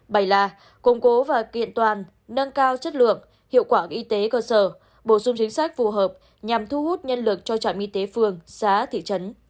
bảy là củng cố và kiện toàn nâng cao chất lượng hiệu quả y tế cơ sở bổ sung chính sách phù hợp nhằm thu hút nhân lực cho trạm y tế phường xá thị trấn